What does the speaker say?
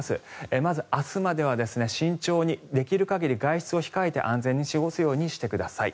まず明日までは慎重にできる限り外出を控えて安全に過ごすようにしてください。